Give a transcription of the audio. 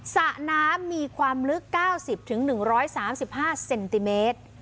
สระน้ำมีความลึกเก้าสิบถึงหนึ่งร้อยสามสิบห้าเซนติเมตร